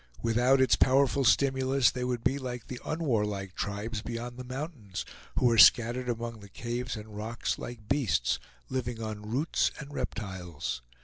Without its powerful stimulus they would be like the unwarlike tribes beyond the mountains, who are scattered among the caves and rocks like beasts, living on roots and reptiles.